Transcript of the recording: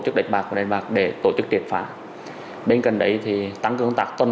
chức đánh bạc và đánh bạc để tổ chức triệt phá bên cạnh đấy thì tăng cường công tác toàn